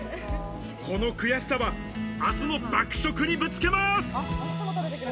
この悔しさは明日の爆食にぶつけます。